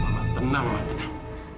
mbak tenang mbak tenang